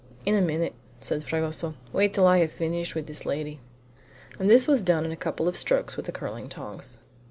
In a minute," said Fragoso. "Wait till I have finished with this lady!" And this was done in a couple of strokes with the curling tongs.